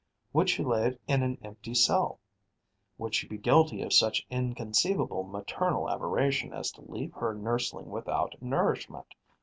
Would she lay it in an empty cell? Would she be guilty of such inconceivable maternal aberration as to leave her nurseling without nourishment?